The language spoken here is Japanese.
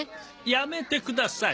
やめてください。